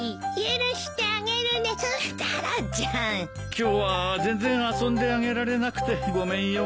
今日は全然遊んであげられなくてごめんよ。